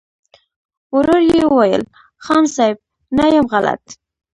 ورو يې وويل: خان صيب! نه يم غلط.